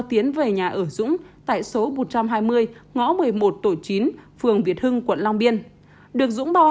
tiến về nhà ở dũng tại số một trăm hai mươi ngõ một mươi một tổ chín phường việt hưng quận long biên được dũng bao